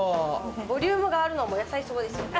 ボリュームがあるのは野菜そばですね。